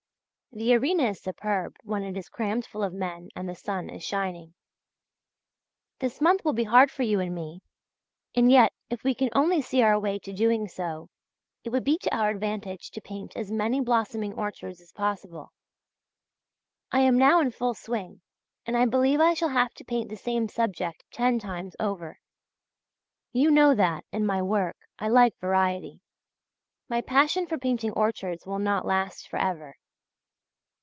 The arena is superb when it is crammed full of men and the sun is shining. This month will be hard for you and me; and yet if we can only see our way to doing so, it would be to our advantage to paint as many blossoming orchards as possible. I am now in full swing, and I believe I shall have to paint the same subject ten times over. You know that, in my work, I like variety; my passion for painting orchards will not last for ever.